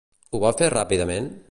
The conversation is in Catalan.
Ho va fer ràpidament?